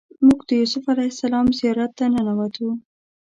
موږ د یوسف علیه السلام زیارت ته ننوتو.